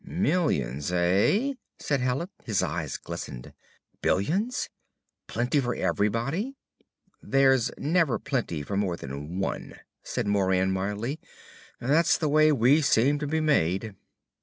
"Millions, eh?" said Hallet. His eyes glistened. "Billions? Plenty for everybody?" "There's never plenty for more than one," said Moran mildly. "That's the way we seem to be made."